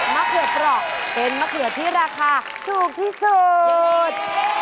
เขือเปราะเป็นมะเขือที่ราคาถูกที่สุด